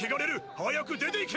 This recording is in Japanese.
早く出ていけ！！